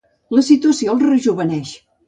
La situació el rejoveneix.